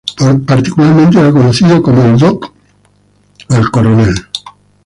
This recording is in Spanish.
Popularmente era conocido como "Doc" o "el Coronel".